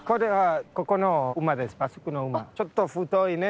ちょっと太いね。